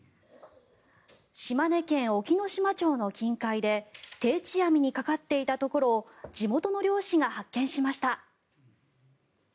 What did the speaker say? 島根県隠岐の島町の近海で定置網にかかっていたところを地元の漁師が発見しました。